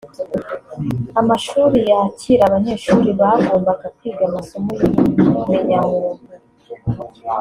Amashuri yakira abanyeshuri bagombaga kwiga amasomo y’ubumenyamuntu